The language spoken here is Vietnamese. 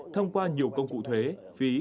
thông qua nhiều công cụ thuế phí